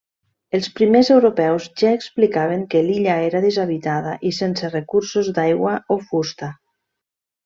Els primers europeus ja explicaven que l'illa era deshabitada i sense recursos d'aigua o fusta.